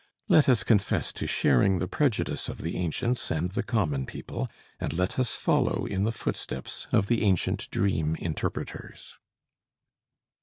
Let us confess to sharing the prejudice of the ancients and the common people, and let us follow in the footsteps of the ancient dream interpreters.